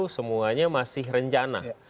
semuanya masih rencana